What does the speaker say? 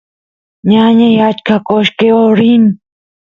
ñañay achka qoshqeo rin